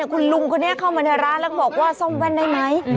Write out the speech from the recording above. คุณลุงคนนี้เข้ามาในร้านแล้วก็บอกว่าซ่อมแว่นได้ไหม